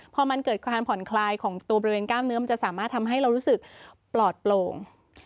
พอมันเกิดความผ่อนคลายของตัวบริเวณกล้ามเนื้อมันจะสามารถทำให้เรารู้สึกปลอดโปร่ง